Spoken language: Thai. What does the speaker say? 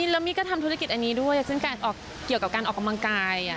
แล้วมี่ก็ทำธุรกิจอันนี้ด้วยซึ่งการออกเกี่ยวกับการออกกำลังกาย